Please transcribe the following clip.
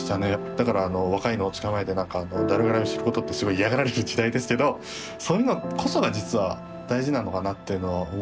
だから若いのをつかまえてダル絡みすることってすごい嫌がられる時代ですけどそういうのこそが実は大事なのかなっていうのは思ったんで。